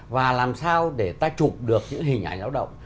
và làm sao để ta chụp được những hình ảnh lao động